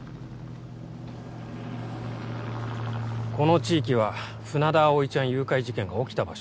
この地域は船田葵ちゃん誘拐事件が起きた場所だ。